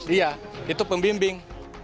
iya itu pembimbing